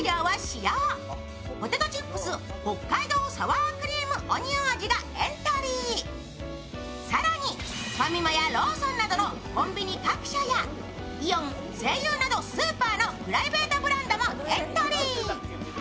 ガツンとくる濃厚な味わいで人気の更に、ファミマやローソンなどのコンビニ各社やイオン、西友などスーパーのプライベートブランドもエントリー。